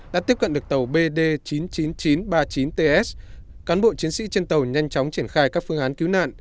đã tiếp cận được tàu bd chín mươi chín nghìn chín trăm ba mươi chín ts cán bộ chiến sĩ trên tàu nhanh chóng triển khai các phương án cứu nạn